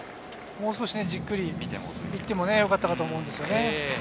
もう少しじっくり見てもよかったかと思いますね。